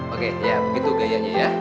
oke ya begitu gayanya ya